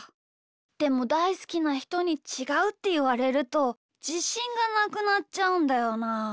でもだいすきなひとに「ちがう」っていわれるとじしんがなくなっちゃうんだよな。